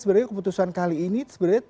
sebenarnya keputusan kali ini sebenarnya